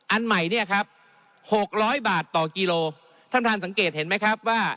อันใหม่เนี่ยครับหกร้อยบาทต่อกิโลท่านท่านสังเกตเห็นไหมครับว่า